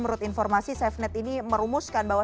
menurut informasi safenet ini merumuskan bahwa